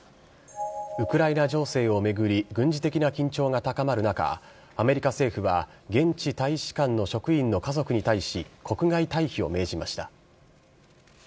ウクライナ情勢を巡り、軍事的な緊張が高まる中、アメリカ政府は、現地大使館の職員の家族に対し、国外退避を命じました。